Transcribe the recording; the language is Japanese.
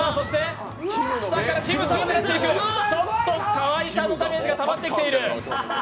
川井さんのダメージがたまってきています。